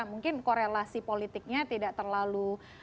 mungkin korelasi politiknya tidak terlalu